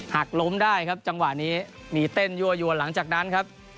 หักล้มได้ครับจังหวะนี้มีเต้นยั่วยวนหลังจากนั้นครับ